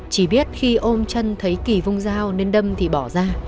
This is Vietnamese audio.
chỉ biết khi ôm chân thấy kì vung dao nên đâm thì bỏ ra